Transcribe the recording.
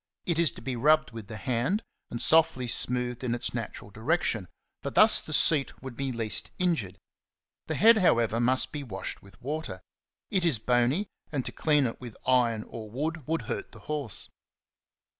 It is to be rubbed with the hand, and softly smoothed in its natural direction ; for thus the seat would be least injured. The head, however, must be washed with water; ^ it is bony, and to clean it with iron or wood would hurt the horse.